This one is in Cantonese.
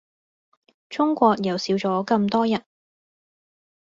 中國又少咗咁多人